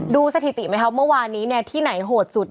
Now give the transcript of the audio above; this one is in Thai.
สถิติไหมครับเมื่อวานนี้ที่ไหนโหดสุด